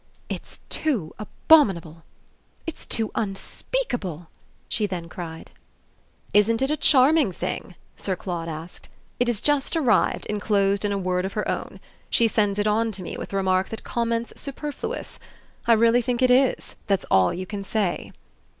"It's too abominable it's too unspeakable!" she then cried. "Isn't it a charming thing?" Sir Claude asked. "It has just arrived, enclosed in a word of her own. She sends it on to me with the remark that comment's superfluous. I really think it is. That's all you can say."